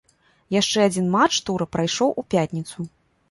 Яшчэ адзін матч тура прайшоў у пятніцу.